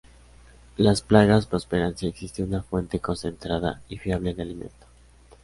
Las plagas prosperan si existe una fuente concentrada y fiable de alimento.